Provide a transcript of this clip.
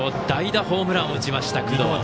代打ホームランを打ちました工藤。